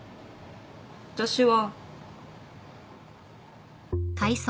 私は。